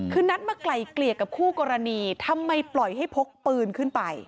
คือนัดมาไกลเกลี่ยกับคู่กรณีทำไมปล่อยให้พกปืนขึ้นไป